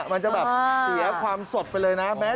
มันจะแบบเสียความสดไปเลยนะ